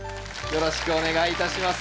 よろしくお願いします。